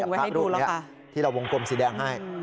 พวกคุณนี้ที่เราวงกลมสีแดงให้